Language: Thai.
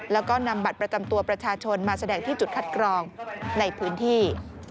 แล้วก็นำบัตรประจำตัวประชาชนมาแสดงที่จุดคัดกรองในพื้นที่